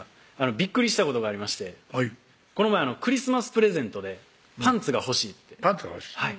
びっくりしたことがありましてこの前クリスマスプレゼントで「パンツが欲しい」ってパンツが欲しい